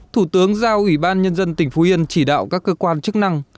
thủ tướng giao ủy ban nhân dân tỉnh phú yên chỉ đạo các cơ quan chức năng